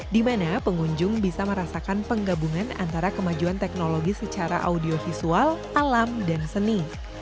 di mana pengunjung bisa merasakan penggabungan antara kemajuan teknologi secara audiovisual alam dan seni